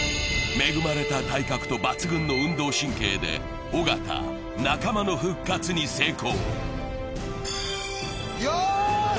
恵まれた体格と抜群の運動神経で、尾形、仲間の復活に成功。